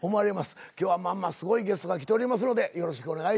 今日は『まんま』すごいゲストが来ておりますのでよろしくお願いします。